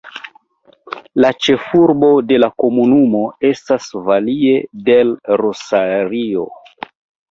La ĉefurbo de la komunumo estas Valle del Rosario.